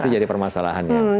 itu jadi permasalahannya